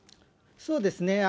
そうですね。